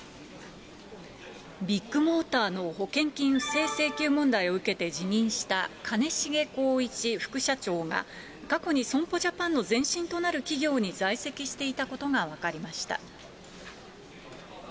ビッグモーターの保険金不正請求問題を受けて辞任した兼重宏一副社長が、過去に損保ジャパンの前身となる企業に在籍していたことが分かりました。